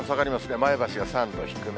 前橋が３度低め。